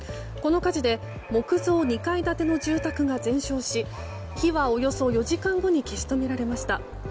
この火事で木造２階建ての住宅が全焼し火はおよそ４時間後に消し止められました。